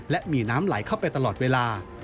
และมีน้ำไหลเข้าไปตลอดเวลา